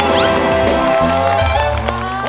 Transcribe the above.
โอเค